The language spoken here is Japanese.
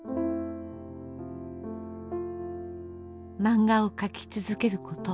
漫画を描き続けること。